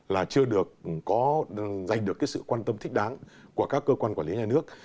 là chưa giành được sự quan tâm thích đáng của các cơ quan quản lý nhà nước